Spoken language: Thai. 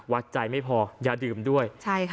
วัดใจไม่พออย่าดื่มด้วย